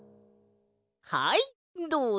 はいどうぞ！